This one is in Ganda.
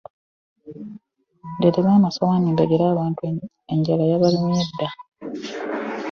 Ndetera amasowaani mbegere abantu emmere enjala yabalumye dda.